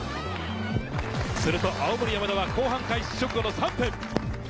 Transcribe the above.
すると青森山田は後半開始直後の３分。